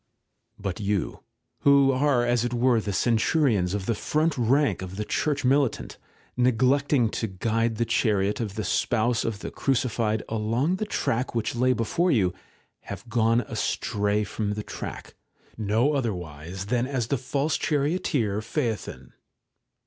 § 4/But 3'ou, who aie as it were the centurions of the l/ 144 LETTERS OF DANTE front rank of the Church militant, neglecting to guide the chariot of the Spouse of the Crucified along the .track which lay before you, have gone astray from the track, no otherwise than as the false charioteer Phaethon.